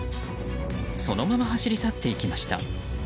そのまま走り去っていきました。